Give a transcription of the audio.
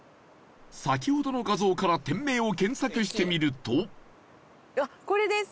先ほどの画像から店名を検索してみるとこれです。